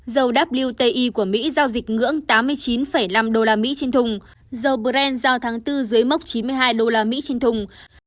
dầu wti của mỹ giao dịch ngưỡng tám mươi chín năm usd trên thùng dầu brent giao tháng bốn dưới mốc chín mươi hai usd trên thùng